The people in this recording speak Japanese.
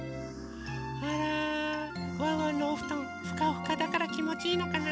あらワンワンのおふとんふかふかだからきもちいいのかな？